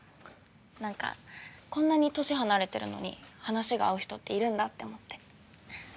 何かこんなに年離れてるのに話が合う人っているんだって思って。